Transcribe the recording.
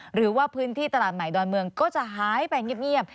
หรือว่าพื้นที่ตลาดใหม่ดอนเมืองก็จะหายไปเงียบ